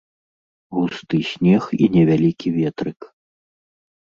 Густы снег і невялікі ветрык.